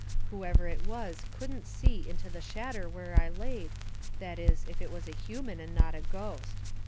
Whoever it was couldn't see into the shadder where I laid, that is, if it was a human and not a ghost.